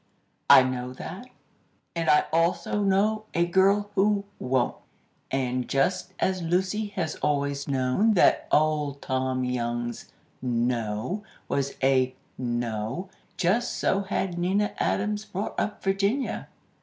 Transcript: "I know that, and I also know a girl who won't! and, just as Lucy has always known that Old Tom Young's 'no' was a no, just so had Nina Adams brought up Virginia."